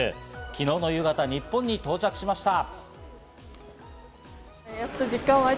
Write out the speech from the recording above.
昨日の夕方、日本に到着しました。